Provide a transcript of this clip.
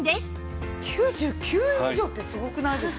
９９以上ってすごくないですか？